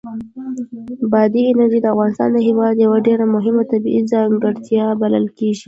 بادي انرژي د افغانستان هېواد یوه ډېره مهمه طبیعي ځانګړتیا بلل کېږي.